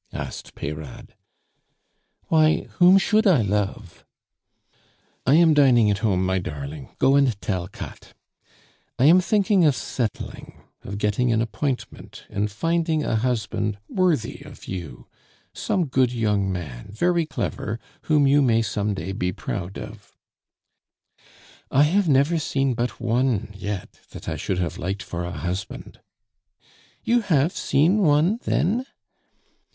asked Peyrade. "Why, whom should I love?" "I am dining at home, my darling; go and tell Katt. I am thinking of settling, of getting an appointment, and finding a husband worthy of you; some good young man, very clever, whom you may some day be proud of " "I have never seen but one yet that I should have liked for a husband " "You have seen one then?"